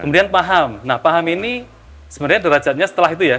kemudian paham nah paham ini sebenarnya derajatnya setelah itu ya